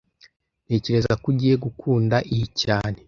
Ntekereza ko ugiye gukunda iyi cyane